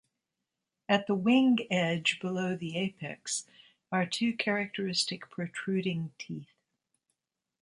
At the wing edge below the apex are two characteristic, protruding teeth.